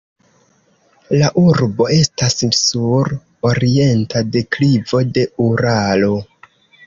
La urbo estas sur orienta deklivo de Uralo.